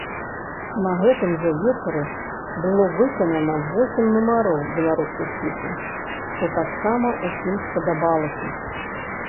На гэтым жа вечары было выканана восем нумароў беларускіх песень, што таксама ўсім спадабалася.